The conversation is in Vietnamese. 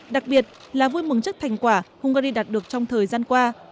đặc biệt là vui mừng trước thành quả hungary đạt được trong thời gian qua